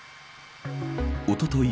おととい